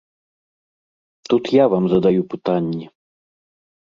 Тут я вам задаю пытанні.